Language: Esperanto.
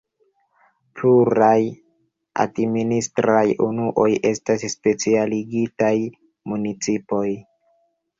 Pluraj administraj unuoj estas specialigitaj municipoj.